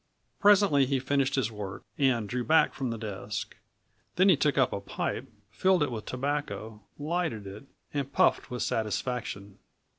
Presently he finished his work and drew back from the desk. Then he took up a pipe, filled it with tobacco, lighted it, and puffed with satisfaction.